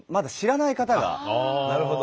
なるほど。